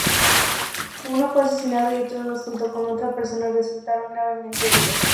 Uno fue asesinado y otros dos, junto con otra persona, resultaron gravemente heridos.